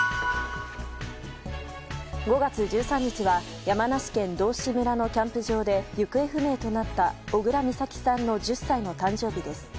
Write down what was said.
５月１３日は山梨県道志村のキャンプ場で行方不明となった小倉美咲さんの１０歳の誕生日です。